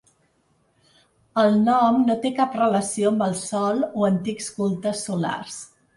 El nom no té cap relació amb el Sol o antics cultes solars.